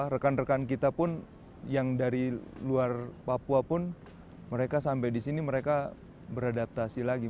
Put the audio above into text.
rekan rekan kita pun yang dari luar papua pun mereka sampai di sini mereka beradaptasi lagi